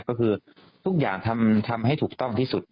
ก็คือทุกอย่างทำให้ถูกต้องที่สุด